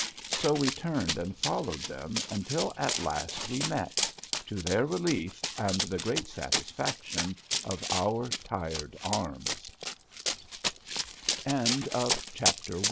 So we turned and followed them until at last we met to their relief and the great satisfaction of our tired ar